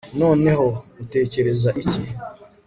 noneho, utekereza iki